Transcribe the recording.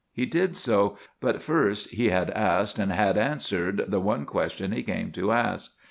He did so; but first he had asked and had had answered the one question he came to ask.